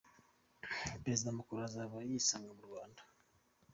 Perezida Macron azaba yisanga mu Rwanda.”